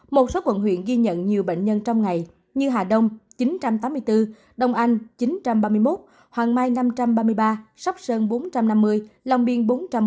một số quận huyện ghi nhận nhiều bệnh nhân trong ngày như hà đông chín trăm tám mươi bốn đông anh chín trăm ba mươi một hoàng mai năm trăm ba mươi ba sóc sơn bốn trăm năm mươi lòng biên bốn trăm ba mươi